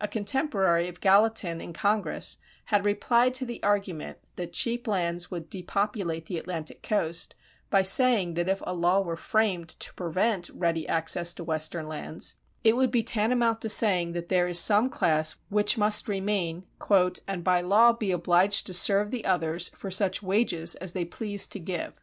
A contemporary of Gallatin in Congress had replied to the argument that cheap lands would depopulate the Atlantic coast by saying that if a law were framed to prevent ready access to western lands it would be tantamount to saying that there is some class which must remain "and by law be obliged to serve the others for such wages as they pleased to give."